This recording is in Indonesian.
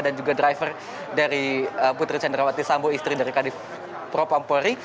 dan juga driver dari putri cendrawati sambo istri dari kadif propampori